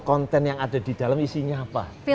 konten yang ada di dalam isinya apa